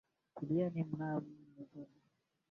Tulieni mwamnzo.